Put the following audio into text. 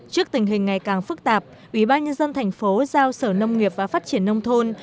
trước tình hình ngày càng phức tạp ubnd tp cần thơ giao sở nông nghiệp và phát triển nông thôn